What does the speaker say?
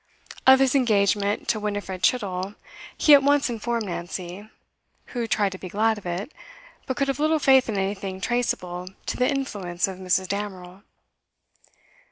Of his engagement to Winifred Chittle he at once informed Nancy, who tried to be glad of it, but could have little faith in anything traceable to the influence of Mrs. Damerel.